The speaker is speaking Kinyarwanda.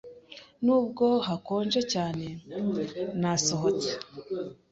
Nubwo hakonje cyane, nasohotse.